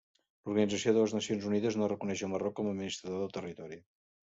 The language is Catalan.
L'Organització de les Nacions Unides no reconeix el Marroc com a administrador del territori.